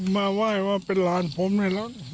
มาไหว้ว่าเป็นหลานผมนี้แล้วทุกวัน